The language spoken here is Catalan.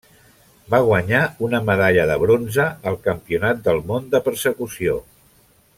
Va guanyar una medalla de bronze al Campionat del món de persecució.